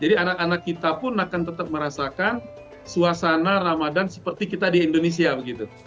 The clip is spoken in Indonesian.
jadi anak anak kita pun akan tetap merasakan suasana ramadan seperti kita di indonesia begitu